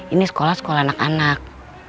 ini sekolah sekolah anak anak